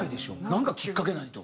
なんかきっかけないと。